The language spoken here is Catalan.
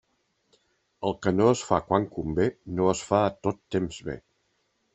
El que no es fa quan convé, no es fa a tot temps bé.